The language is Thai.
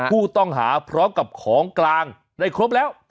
ผู้ต้องหาพร้อมกับของกลางได้ครบแล้ว